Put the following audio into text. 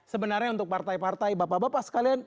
sebenarnya untuk partai partai bapak bapak sekalian